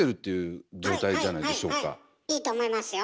いいと思いますよ。